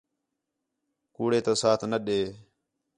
کُوڑے تا ساتھ نہ ݙے